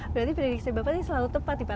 berarti prediksi bapak ini selalu tepat nih pak